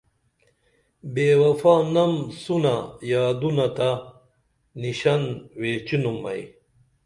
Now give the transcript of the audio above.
بےوفانم سونہ یادونہ تہ نیشن ویچینُم ائی